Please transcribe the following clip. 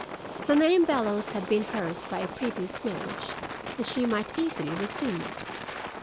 The name "Bellows" had been hers by a previous marriage and she might easily resume it.